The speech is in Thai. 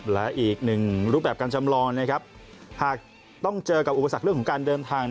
และอีกหนึ่งรูปแบบการจำลองนะครับหากต้องเจอกับอุปสรรคเรื่องของการเดินทาง